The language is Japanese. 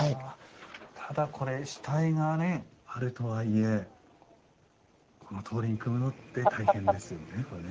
ただこれ下絵があるとはいえこのとおりに組むのって大変ですよねこれね。